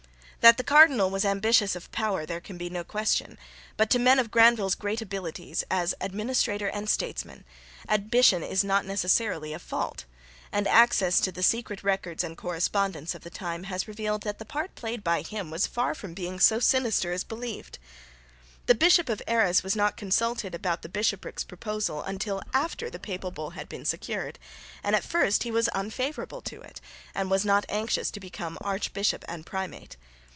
That the cardinal was ambitious of power there can be no question. But to men of Granvelle's great abilities, as administrator and statesman, ambition is not necessarily a fault; and access to the secret records and correspondence of the time has revealed that the part played by him was far from being so sinister as was believed. The Bishop of Arras was not consulted about the bishoprics proposal until after the Papal Bull had been secured, and at first he was unfavourable to it and was not anxious to become archbishop and primate.